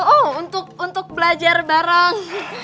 oh untuk belajar bareng